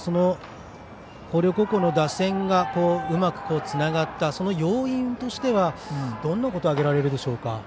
広陵高校打線がうまくつながった要因としてはどんなことが挙げられるでしょうか。